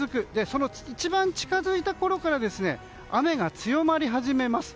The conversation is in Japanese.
その一番近づいたころから雨が強まり始めます。